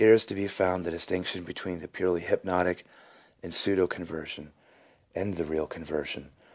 315 is to be found the distinction between the purely hypnotic, pseudo conversion, and the real conversion.